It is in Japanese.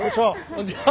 こんにちは。